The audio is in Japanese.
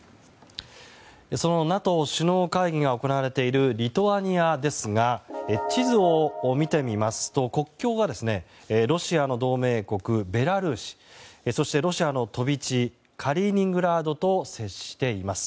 そのＮＡＴＯ首脳会議が行われているリトアニアですが地図を見てみますと国境がロシアの同盟国ベラルーシそして、ロシアの飛び地カリーニングラードと接しています。